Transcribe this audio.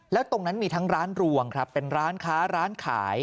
แล้วตรงนั้นมีทั้งร้านรวงครับเป็นร้านค้าร้านขาย